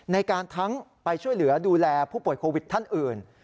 ในการทั้งไปช่วยเหลือดูแลผู้ป่วยโควิดท่านอื่น